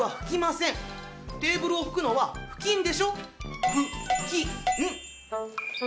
テーブルを拭くのは布巾でしょ？